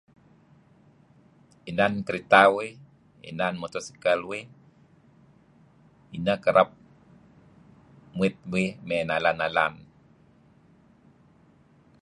Inan kerita uih, inan motosikal uih, ineh kereb muit uih mey nalan-nalan.